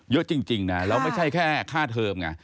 เยอะจริงนะแล้วไม่ใช่แค่ค่าเทอมไง